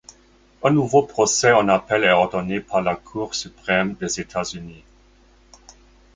Un nouveau procès en appel est ordonné par la Cour suprême des États-Unis.